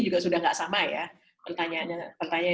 juga sudah tidak sama ya pertanyaan